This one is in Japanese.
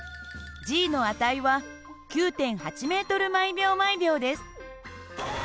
の値は９．８ｍ／ｓです。